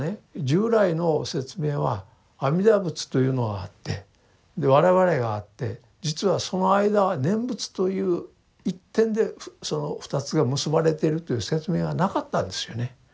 従来の説明は阿弥陀仏というのがあってで我々があって実はその間は念仏という一点でその２つが結ばれてるという説明がなかったんですよね。